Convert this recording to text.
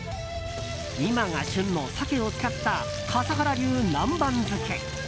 今が旬の鮭を使った笠原流南蛮漬け。